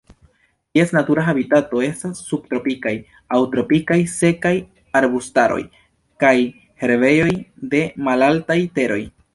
Ties natura habitato estas subtropikaj aŭ tropikaj sekaj arbustaroj kaj herbejoj de malaltaj teroj.